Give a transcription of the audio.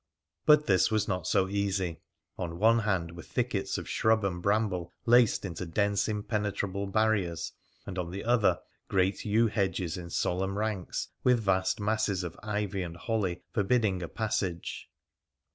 But this was not so easy. On one hand were thickets of shrub and bramble laced into dense impenetrable barriers, and on the other great yew hedges in solemn ranks, with vast masses of ivy and holly forbidding a passage.